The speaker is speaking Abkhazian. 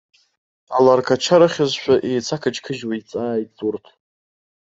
Аларқача рыхьызшәа еиҵақыџьқыџьуа иҵааит урҭ.